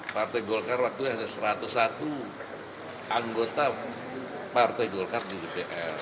partai golkar waktunya ada satu ratus satu anggota partai golkar di dpr